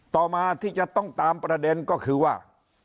ต่อมาที่จะต้องตามประเด็นก็คือว่า